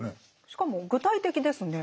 しかも具体的ですね。